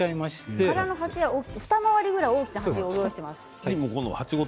ふた回りぐらい大きな鉢を用意しています。